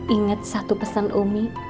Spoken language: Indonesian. ingat satu pesan umi